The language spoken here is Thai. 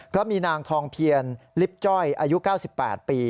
ก็มีนางทองเพียรลิฟต์จ้อยอายุ๙๘ปี